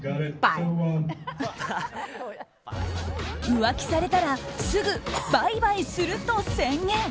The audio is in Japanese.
浮気されたらすぐバイバイすると宣言。